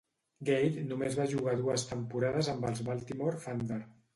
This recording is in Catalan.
Gait només va jugar dues temporades amb els Baltimore Thunder.